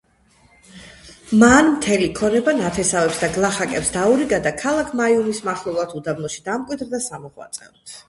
მან მთელი ქონება ნათესავებს და გლახაკებს დაურიგა და ქალაქ მაიუმის მახლობლად, უდაბნოში დამკვიდრდა სამოღვაწეოდ.